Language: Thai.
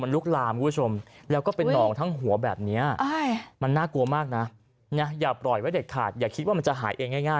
ลุกลามคุณผู้ชมแล้วก็เป็นนองทั้งหัวแบบนี้มันน่ากลัวมากนะอย่าปล่อยไว้เด็ดขาดอย่าคิดว่ามันจะหายเองง่าย